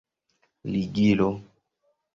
ligilo